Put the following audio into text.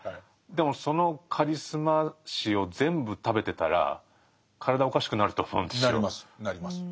でもそのカリスマ視を全部食べてたら体おかしくなると思うんですよ。